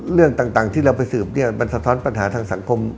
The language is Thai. เรื่องต่างที่เราไปสืบเนี่ยมันสะท้อนปัญหาทางสังคม